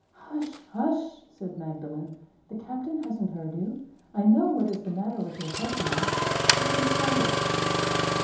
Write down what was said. "Hush! hush!" said Magdalen. "The captain hasn't heard you. I know what is the matter with your head now. Let me cool it."